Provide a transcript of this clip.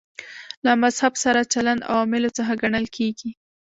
له مذهب سره چلند عواملو څخه ګڼل کېږي.